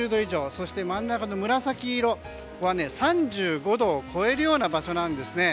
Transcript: そして真ん中の紫色は３５度を超えるような場所なんです。